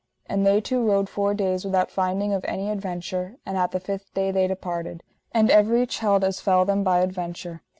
And they two rode four days without finding of any adventure, and at the fifth day they departed. And everych held as fell them by adventure.